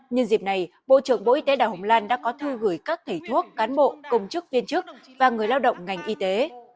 nhân dịp này bộ trưởng bộ y tế đào hồng lan đã có thư gửi các thầy thuốc cán bộ công chức viên chức và người lao động ngành y tế